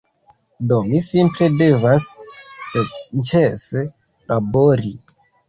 Do mi simple devas senĉese labori.